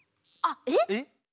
えっ！？